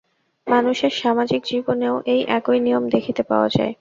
মানুষের সামাজিক জীবনেও এই একই নিয়ম দেখিতে পাওয়া যায়।